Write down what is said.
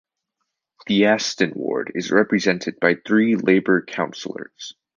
The Aston ward is represented by three Labour councillors.